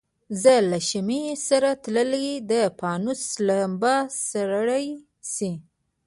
زه له شمعي سره تللی د پانوس لمبه سړه سي